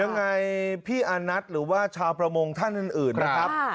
ยังไงพี่อานัทหรือว่าชาวประมงท่านอื่นนะครับ